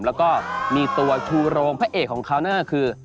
แล้วก็มีตัวชูโรงพระเอกของเขานั่นก็คือ